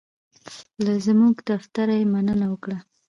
له زمونږ دفتر یې مننه وکړه.